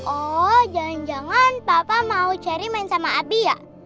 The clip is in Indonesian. oh jangan jangan papa mau cari main sama abdi ya